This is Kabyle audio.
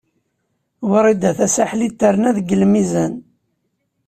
Wrida Tasaḥlit terna deg lmizan.